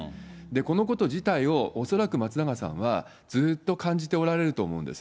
このこと自体を恐らく松永さんはずーっと感じておられると思うんです。